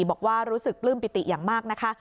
บอกว่ารู้สึกปลื้มปิติอย่างมากนะคะ